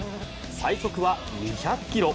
最速は２００キロ。